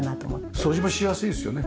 掃除もしやすいですよね。